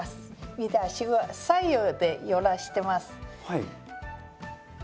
見て足は左右で揺らしてます。